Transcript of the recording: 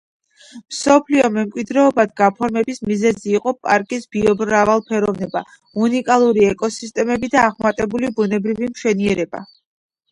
მსოფლიო მემკვიდრეობად გაფორმების მიზეზი იყო პარკის ბიომრავალფეროვნება, უნიკალური ეკოსისტემები და აღმატებული ბუნებრივი მშვენიერება.